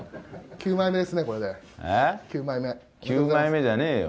９枚目じゃねえよ。